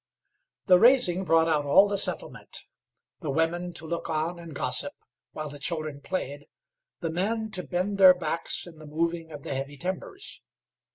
The "raising" brought out all the settlement the women to look on and gossip, while the children played; the men to bend their backs in the moving of the heavy timbers.